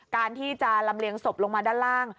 การที่จะลำเลียงศพลงมาด้านล่าง